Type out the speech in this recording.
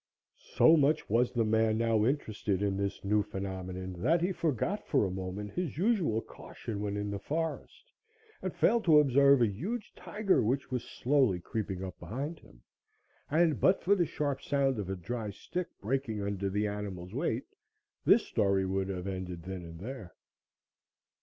So much was the man now interested in this new phenomenon that he forgot for a moment his usual caution when in the forest, and failed to observe a huge tiger which was slowly creeping up behind him, and, but for the sharp sound of a dry stick breaking under the animal's weight, this story would have ended then and there.